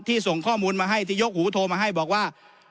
ส่งข้อมูลมาให้ที่ยกหูโทรมาให้บอกว่า